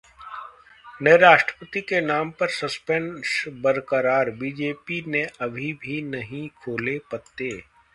नए राष्ट्रपति के नाम पर सस्पेंस बरकरार, बीजेपी ने अभी भी नहीं खोले पत्ते